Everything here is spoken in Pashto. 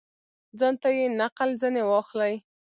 ځانته یې نقل ځني واخلي.